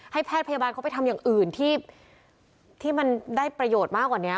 แพทย์พยาบาลเขาไปทำอย่างอื่นที่มันได้ประโยชน์มากกว่านี้